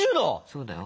そうだよ。